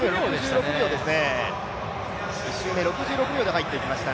１周目６６秒で入っていきました。